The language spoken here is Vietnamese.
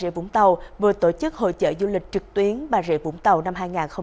bà rịa vũng tàu vừa tổ chức hội chợ du lịch trực tuyến bà rịa vũng tàu năm hai nghìn hai mươi ba